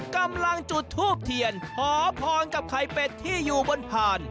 กำลังจุดทูบเทียนขอพรกับไข่เป็ดที่อยู่บนผ่าน